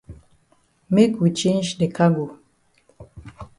Make we change de cargo.